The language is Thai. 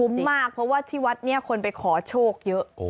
มากเพราะว่าที่วัดนี้คนไปขอโชคเยอะ